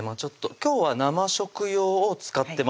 今日は生食用を使ってます